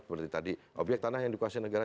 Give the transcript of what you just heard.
seperti tadi obyek tanah yang dikuasai negara